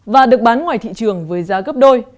và được bán ngoài thị trường với giá gấp đôi